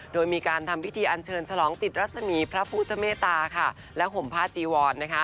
โดยมีการทำวิธีอันเชิญฉลองติดรัศนีพระผูทะเมตตาและห่มพ่าจีวอน